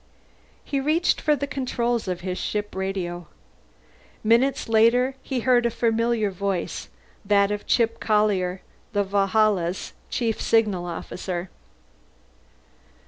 He reached for the controls of his ship radio. Minutes later, he heard a familiar voice that of Chip Collier, the Valhalla's Chief Signal Officer.